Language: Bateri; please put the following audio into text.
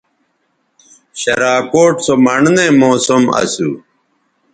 شراکوٹ سو مڑنئ موسم اسُو